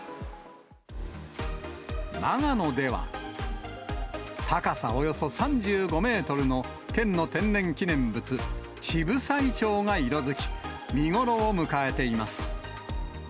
長野では、高さおよそ３５メートルの県の天然記念物、乳房イチョウが色づき、見頃を迎えています。